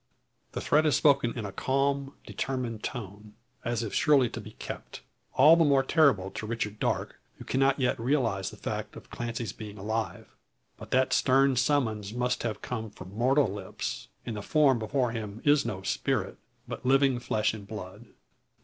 The threat is spoken in a calm, determined tone, as if surely to be kept. All the more terrible to Richard Darke, who cannot yet realise the fact of Clancy's being alive. But that stern summons must have come from mortal lips, and the form before him is no spirit, but living flesh and blood.